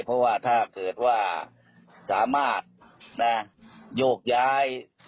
เพราะว่าถ้าเกิดว่าสามารถโยกย้าย